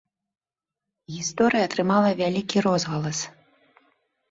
Гісторыя атрымала вялікі розгалас.